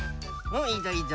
うんいいぞいいぞ。